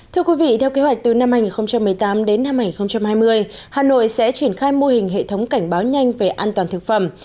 thưa quý vị theo kế hoạch từ năm hai nghìn một mươi tám đến năm hai nghìn hai mươi hà nội sẽ triển khai mô hình hệ thống cảnh báo nhanh về an toàn thực phẩm